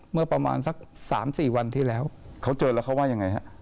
เมื่อประมาณสัก๓๔วันที่แล้วเขาเจอแล้วเขาว่ายังไงฮะ